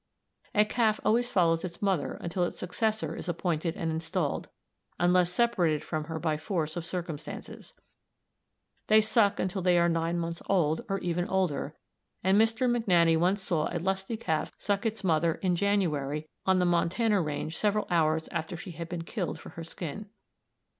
A calf always follows its mother until its successor is appointed and installed, unless separated from her by force of circumstances. They suck until they are nine months old, or even older, and Mr. McNaney once saw a lusty calf suck its mother (in January) on the Montana range several hours after she had been killed for her skin.